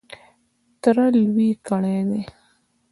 تره لوی کړی دی .